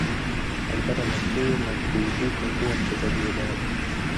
Alipata nafuu na kuibukia kuwa mchezaji hodari